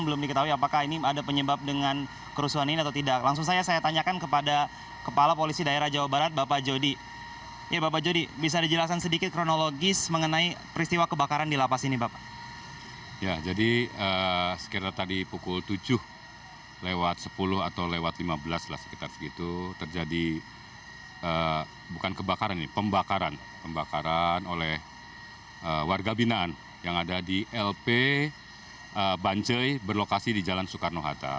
lewat sepuluh atau lewat lima belas lah sekitar segitu terjadi bukan kebakaran ini pembakaran oleh warga binaan yang ada di lp banjai berlokasi di jalan soekarno hatta